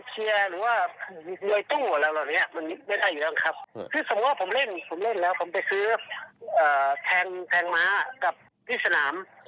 หรือแขกนชกแทงม้ากับที่สนาม